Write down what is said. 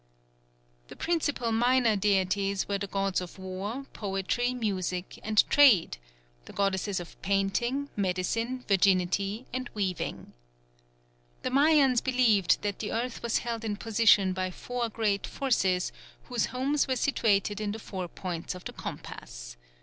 The principal minor deities were the gods of War, Poetry, Music, and Trade; the goddesses of Painting, Medicine, Virginity, and Weaving. The Mayans believed that the earth was held in position by four great forces whose homes were situated in the four points of the compass.